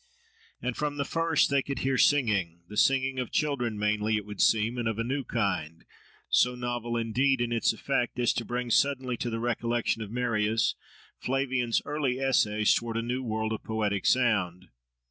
And from the first they could hear singing, the singing of children mainly, it would seem, and of a new kind; so novel indeed in its effect, as to bring suddenly to the recollection of Marius, Flavian's early essays towards a new world of poetic sound.